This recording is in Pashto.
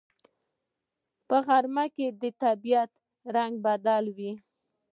په غرمه کې د طبیعت رنگ بدل وي